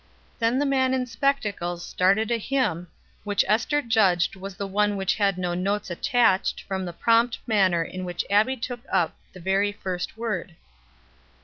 Then the man in spectacles started a hymn, which Ester judged was the one which had no notes attached from the prompt manner in which Abbie took up the very first word.